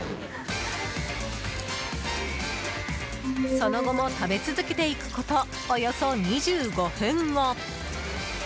その後も食べ続けていくことおよそ２５分後。